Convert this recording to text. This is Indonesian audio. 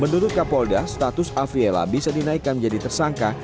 menurut kapolda status afriela bisa dinaikkan menjadi tersangka